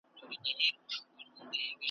د پسرلي په شنه بګړۍ کي انارګل نه یمه ,